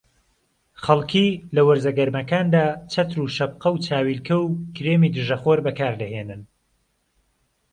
خەڵکی لە وەرزە گەرمەکاندا چەتر و شەپقە و چاویلکە و کرێمی دژەخۆر بەکاردەهێنن